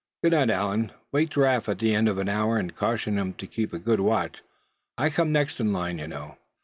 Good night, Allan; wake Giraffe at the end of an hour, and caution him to keep a good watch. I come next in line, you know."